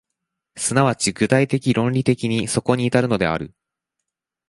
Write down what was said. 即ち具体的論理的にそこに至るのである。